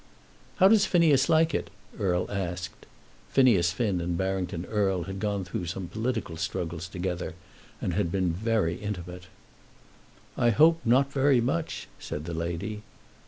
"How does Phineas like it?" Erle asked. Phineas Finn and Barrington Erle had gone through some political struggles together, and had been very intimate. "I hope not very much," said the lady.